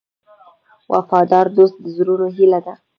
وفادار دوست د زړونو هیله ده.